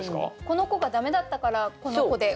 この子が駄目だったからこの子で。